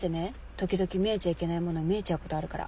時々見えちゃいけないもの見えちゃうことあるから。